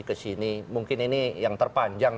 ke sini mungkin ini yang terpanjang